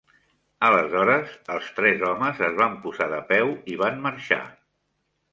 Aleshores, els tres homes es van posar de peu i van marxar.